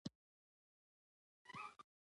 ورته وویل پورته شه پهلواني کوه.